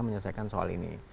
menyelesaikan soal ini